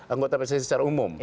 anggota pssi secara umum